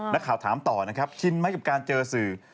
นักข่าวถามต่อนะครับชินไหมกับการเจอสื่อ